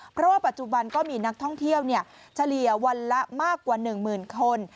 เพราะว่าปัจจุบันก็มีนักท่องเที่ยวเฉลี่ยวันละมากกว่า๑หมื่นคน